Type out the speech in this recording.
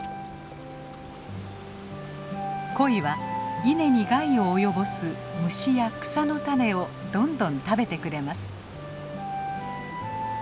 コイは稲に害を及ぼす虫や草の種をどんどん食べてくれます。